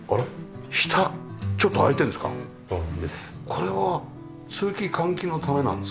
これは通気換気のためなんですか？